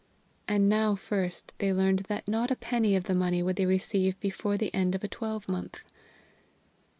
And now first they learned that not a penny of the money would they receive before the end of a twelvemonth.